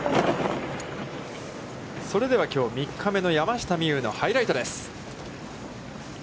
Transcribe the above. それでは、きょう３日目の山下美夢有のハイライトです。